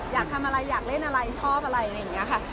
อยากทำอะไรอยากเล่นอะไรชอบอะไรอะไรอย่างนี้ค่ะ